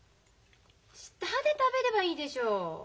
下で食べればいいでしょう。